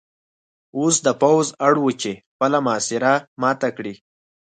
اوس دا پوځ اړ و چې خپله محاصره ماته کړي